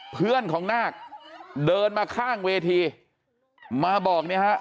เพื่อนของนาคเดินมาข้างเวทีมาบอกเนี่ยฮะ